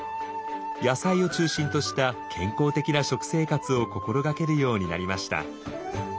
野菜を中心とした健康的な食生活を心がけるようになりました。